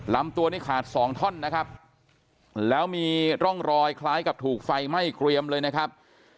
ลำตัวนี้ขาดสองท่อนนะครับแล้วมีร่องรอยคล้ายกับถูกไฟไหม้เกรียมเลยนะครับ